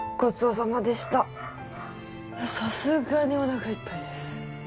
さすがにおなかいっぱいです。